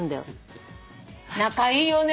仲いいよね。